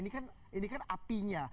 nah ini kan apinya